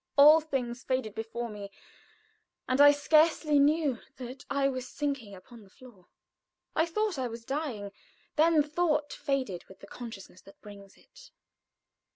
All things faded before me, and I scarcely knew that I was sinking upon the floor. I thought I was dying; then thought faded with the consciousness that brings it.